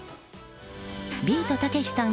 ビートたけしさん